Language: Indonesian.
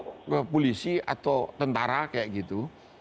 atau ke polisi atau tentara kayak gitu